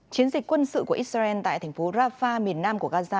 chiến dịch quân sự của israel tại thành phố rafah miền nam của gaza